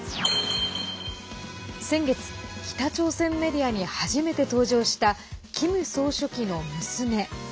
先月、北朝鮮メディアに初めて登場したキム総書記の娘。